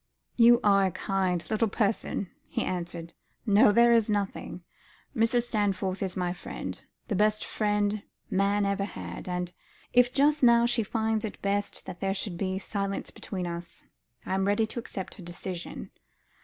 "You dear and kind little person," he answered. "No, there is nothing. Mrs. Stanforth is my friend, the best friend man ever had, and if, just now, she finds it best that there should be silence between us, I am ready to accept her decision.